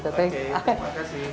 oke terima kasih